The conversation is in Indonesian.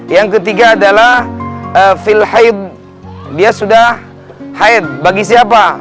yang ketiga adalah filhaid dia sudah haid bagi siapa